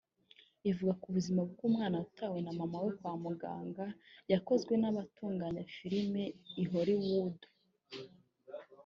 ivuga ku buzima b’umwana watawe na mama we kwa muganga yakozwe n’abatunganya filime i Hollywood